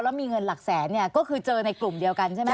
แล้วมีเงินหลักแสนเนี่ยก็คือเจอในกลุ่มเดียวกันใช่ไหม